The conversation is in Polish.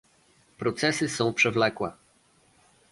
Procesy są przewlekłe